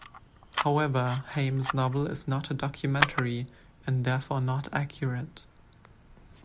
However, Heym's novel is not a documentary and therefore not accurate.